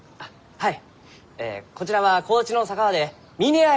はい。